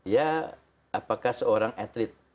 ya apakah seorang atlet